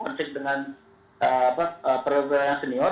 kemudian karena bung karno konflik dengan perang senior